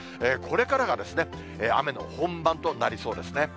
これからが雨の本番となりそうですね。